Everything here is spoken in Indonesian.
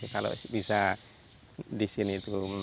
kalau bisa di sini